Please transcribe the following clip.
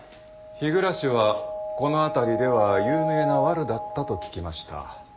日暮はこの辺りでは有名なワルだったと聞きました。